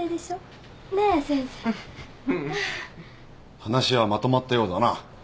・話はまとまったようだな。